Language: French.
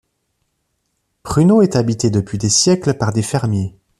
Pruno est habité depuis des siècles par des fermiers.